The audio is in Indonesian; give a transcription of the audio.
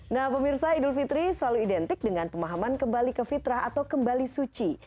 nah pemirsa idul fitri selalu identik dengan pemahaman kembali ke fitrah atau kembali suci